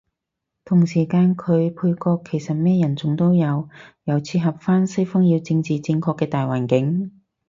同時間佢配角其實咩人種都有，又切合返西方要政治正確嘅大環境